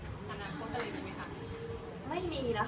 ใช่ก็ตอนนี้อยู่ในที่ด้านที่สอง